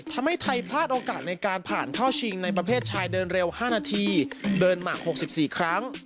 ทำให้ไทยพลาดโอกาสในการผ่านเข้าชิงในประเภทชายเดินเร็ว๕นาทีเดินหมัก๖๔ครั้ง